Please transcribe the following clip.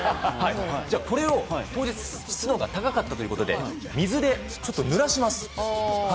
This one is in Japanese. これを当日湿度が高かったということで水で、ぬらします。